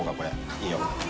いいよ。